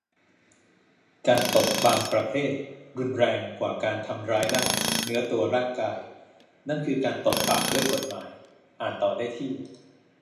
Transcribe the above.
การตบบางประเภทรุนแรงกว่าการทำร้ายเนื้อตัวร่างกาย นั้นคือ การตบปากด้วยกฎหมาย อ่านต่อได้ที่